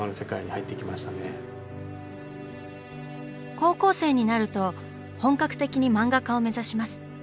高校生になると本格的に漫画家を目指します。